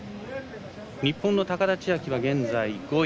日本の高田千明は現在５位。